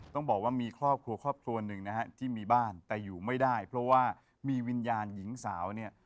ต้องบอกว่ามีครอบครัวครอบครัวหนึ่งนะฮะที่มีบ้านแต่อยู่ไม่ได้เพราะว่ามีวิญญาณหญิงสาวเนี่ย